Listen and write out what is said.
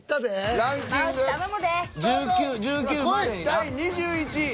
第２１位。